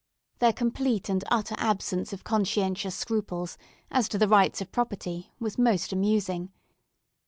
Their complete and utter absence of conscientious scruples as to the rights of property was most amusing.